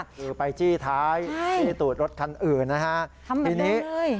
คือไปจี้ท้ายจี้ตูดรถคันอื่นนะคะทีนี้ทำแบบเดิมเลย